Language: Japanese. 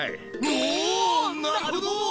おおなるほど！